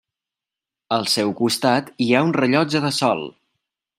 Al seu costat hi ha un rellotge de sol.